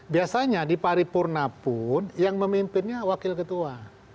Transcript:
biasanya di paripurna pun yang memimpinnya wakil ketua